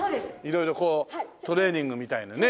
色々トレーニングみたいにね。